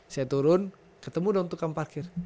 saya turun ketemu dan tukang parkir